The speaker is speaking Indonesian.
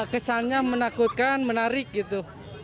kesannya menakutkan menarik gitu